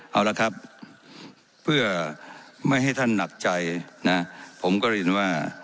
เอาละครับเพื่อไม่ให้ท่านหนักใจนะผมก็เรียนว่า